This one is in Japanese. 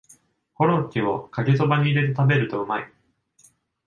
コロッケをかけそばに入れて食べるとうまい